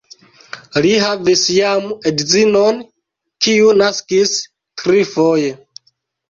Li havis jam edzinon, kiu naskis trifoje.